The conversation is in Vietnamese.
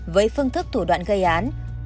với phương thức thủ đoạn gây án